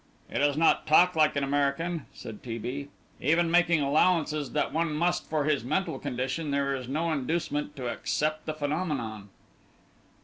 "He does not talk like an American," said T. B.; "even making allowances that one must for his mental condition, there is no inducement to accept the phenomenon."